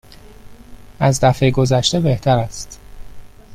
از دفعه گذشته بهتر است.